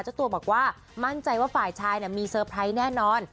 เจ้าตัวบอกว่ามั่นใจว่าฝ่ายชายมีเซอร์ไพรส์แน่นอน